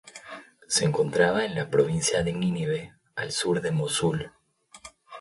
Se encontraba en la provincia de Nínive, al sur de Mosul.